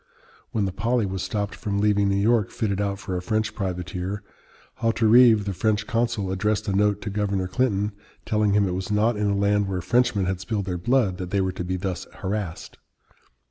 When the Polly was stopped from leaving New York fitted out for a French privateer, Hauterive, the French consul, addressed a note to Governor Clinton, telling him it was not in a land where Frenchmen had spilled their blood that they were to be thus harassed.